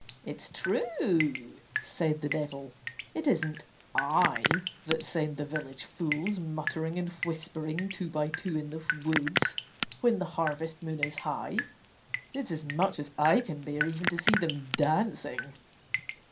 "It's true," said the Devil. "It isn't I that send the village fools muttering and whispering two by two in the woods when the harvest moon is high, it's as much as I can bear even to see them dancing."